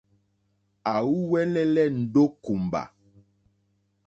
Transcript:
À úwɛ́lɛ́lɛ́ ndó kùmbà.